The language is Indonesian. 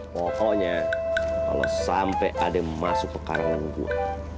pokoknya kalau sampai ada yang masuk kekarangan gua